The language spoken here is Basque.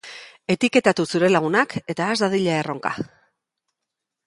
Etiketatu zure lagunak eta has dadila erronka!